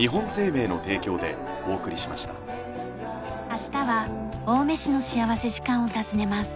明日は青梅市の幸福時間を訪ねます。